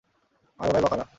আর ওরাই বা কারা?